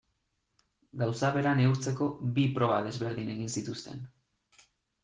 Gauza bera neurtzeko bi proba desberdin egin zituzten.